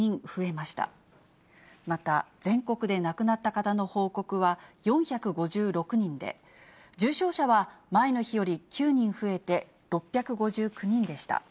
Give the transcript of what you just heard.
また全国で亡くなった方の報告は４５６人で、重症者は前の日より９人増えて６５９人でした。